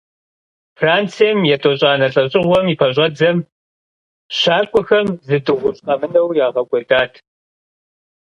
Францием, етӀощӀанэ лӀэжьыгъуэм и пэщӀэдзэм, щакӏуэхэм зы дыгъужь къэмынэу, ягъэкӀуэдат.